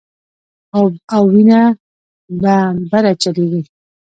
او وينه به بره چليږي